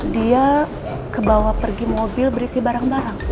dia kebawa pergi mobil berisi barang barang